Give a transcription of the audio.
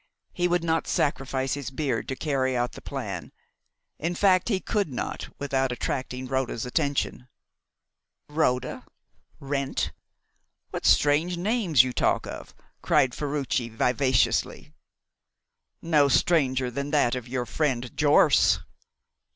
He would not sacrifice his beard to carry out the plan; in fact he could not without attracting Rhoda's attention." "Rhoda! Wrent! What strange names you talk of!" cried Ferruci vivaciously. "No stranger than that of your friend Jorce."